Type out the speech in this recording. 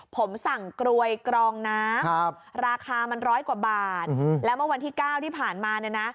ผมสั่งกรวยกรองน้ำราคามันร้อยกว่าบาทแล้วเมื่อวันที่๙ที่ผ่านมาเนี่ยนะ